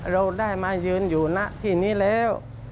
เราได้มายืนอยู่ณที่นี้แล้ว